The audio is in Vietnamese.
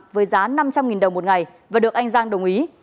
với giá năm trăm linh đồng một ngày và được anh giang đồng ý